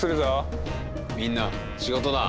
みんな仕事だ。